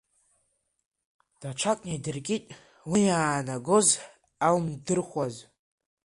Даҽак неидыркит, уи иаанагоз ауимдырхуаз.